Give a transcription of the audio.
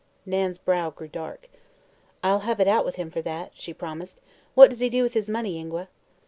Nan's brow grew dark. "I'll have it out with him for that," she promised. "What does he do with his money, Ingua?"